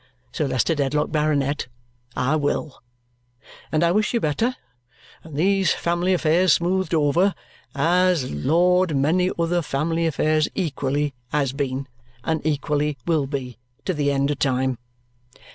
Sir Leicester Dedlock, Baronet, I will. And I wish you better, and these family affairs smoothed over as, Lord, many other family affairs equally has been, and equally will be, to the end of time."